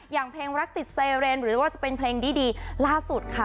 อย่างเพลงรักติดไซเรนหรือว่าจะเป็นเพลงดีล่าสุดค่ะ